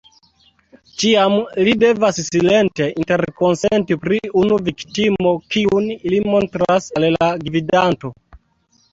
Tiam, ili devas silente interkonsenti pri unu viktimo, kiun ili montras al la gvidanto.